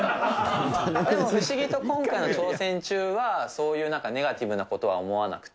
でも不思議と今回の挑戦中は、そういうなんかネガティブなことは思わなくて。